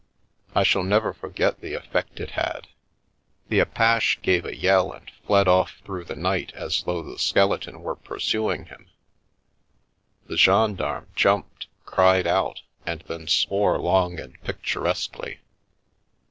I shall never forget the effect it had. The apache gave a yell and fled off through the night as though the skeleton were pursuing him; the gendarme jumped, cried out, and then swore long and picturesquely.